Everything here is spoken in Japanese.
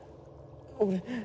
俺。